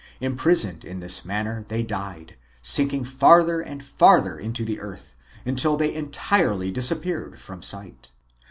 Imprisoned in this manner they died, sinking farther and farther into the earth until they entirely disappeared from sight.